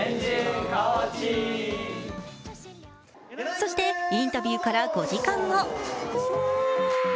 そしてインタビューから５時間後。